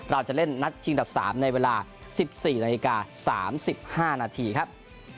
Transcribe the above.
เราจะเล่นนัดชิงดับ๓ในเวลา๑๔นาฬิกา๓๕นาทีครับ